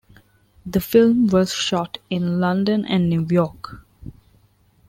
The film was shot in London and New York.